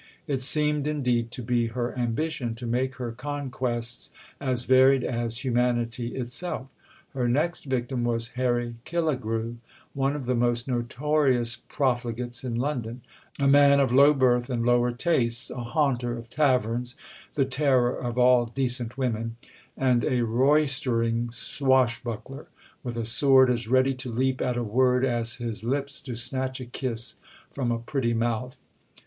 It seemed, indeed, to be her ambition to make her conquests as varied as humanity itself. Her next victim was Harry Killigrew, one of the most notorious profligates in London, a man of low birth and lower tastes, a haunter of taverns, the terror of all decent women, and a roystering swashbuckler, with a sword as ready to leap at a word as his lips to snatch a kiss from a pretty mouth.